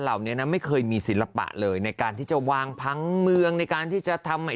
เหล่านี้นะไม่เคยมีศิลปะเลยในการที่จะวางพังเมืองในการที่จะทำให้